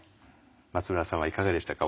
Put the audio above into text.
松村さんはいかがでしたか？